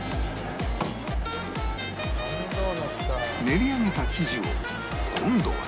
練り上げた生地を今度は